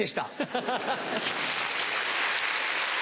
ハハハ！